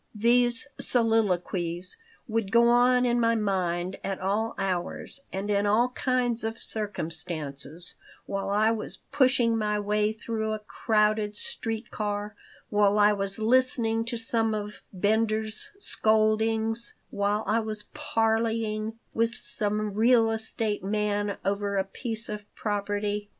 These soliloquies would go on in my mind at all hours and in all kinds of circumstances while I was pushing my way through a crowded street car, while I was listening to some of Bender's scoldings, while I was parleying with some real estate man over a piece of property.